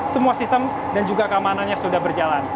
semua sistem dan juga keamanannya sudah berjalan